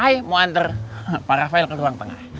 i mau hantar para file ke ruang tengah